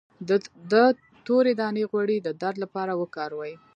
د تورې دانې غوړي د درد لپاره وکاروئ